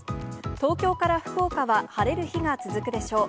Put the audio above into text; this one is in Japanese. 東京から福岡は晴れる日が続くでしょう。